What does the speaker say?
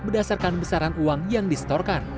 berdasarkan besaran uang yang distorkan